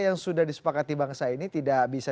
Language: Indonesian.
yang sudah disepakati bangsa ini tidak bisa